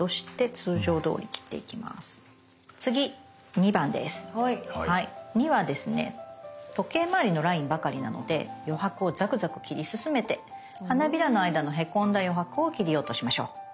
２はですね時計まわりのラインばかりなので余白をザクザク切り進めて花びらの間のへこんだ余白を切り落としましょう。